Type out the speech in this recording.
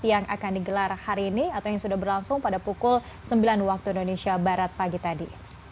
yang akan digelar hari ini atau yang sudah berlangsung pada pukul sembilan waktu indonesia barat pagi tadi